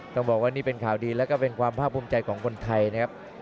ต้องบอกว่านี่เป็นข่าวดีแล้วก็เป็นความภาพภูมิใจของคนไทยนะครับ